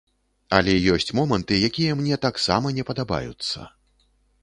Але ёсць моманты, якія мне таксама не падабаюцца.